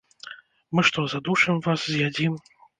Мы што, задушым вас, з'ядзім?